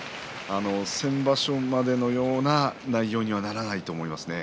先場所までのような内容にはならないと思いますね。